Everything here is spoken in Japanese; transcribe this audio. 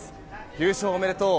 優勝おめでとう！